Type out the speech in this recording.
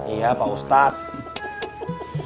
iya pak ustadz